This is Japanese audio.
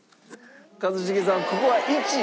一茂さんここは１。